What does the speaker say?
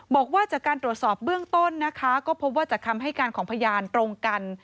บอกว่าจากการตรวจสอบเบื้องต้นนะคะก็พบว่าจากคำให้การของพยานตรงกัน